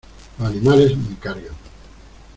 Los animales me cargan.